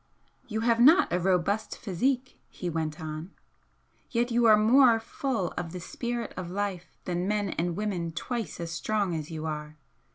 "You have not a robust physique," he went on "Yet you are more full of the spirit of life than men and women twice as strong as you are.